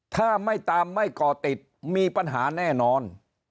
ถ้าไม่ตามไม่ก่อติดมีปัญหาแน่นอน